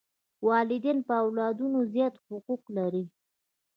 والدین پر اولادونو زیات حقوق لري.